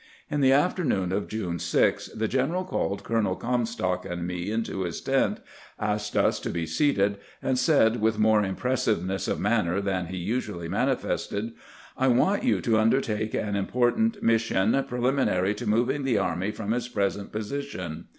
In the afternoon of June 6 the general called Colonel Comstock and me into his tent, asked us to be seated, and said with more impressiveness of manner than he usually manifested :" I want you to undertake an im portant mission preliminary to moving the army from its present position.